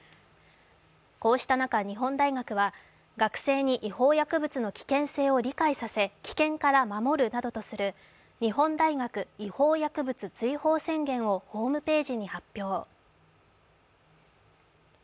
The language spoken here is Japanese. こうした中、日本大学は学生に違法薬物の危険性を理解させ、危険から守るなどとする日本大学違法薬物追放宣言をホームページに発表。